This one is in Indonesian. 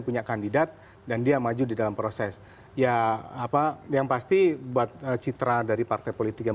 punya kandidat dan dia maju di dalam proses ya apa yang pasti buat citra dari partai politik yang